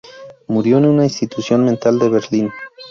Murió en una institución mental de Berlín.